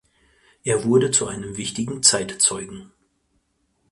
Er wurde zu einem wichtigen Zeitzeugen.